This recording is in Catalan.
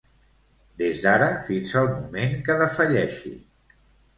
Des d'ara fins el moment que defalleixi.